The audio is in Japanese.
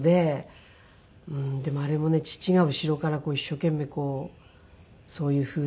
でもあれもね父が後ろから一生懸命そういうふうに。